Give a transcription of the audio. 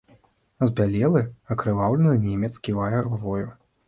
Збялелы, акрываўлены немец ківае галавою.